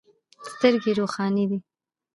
سترګې روښانې دي.